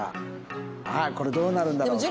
あっこれどうなるんだろう？